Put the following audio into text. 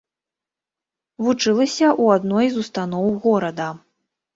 Вучылася ў адной з устаноў горада.